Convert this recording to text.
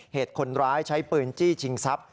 เหตุคนร้ายใช้ปืนจี้ชิงทรัพย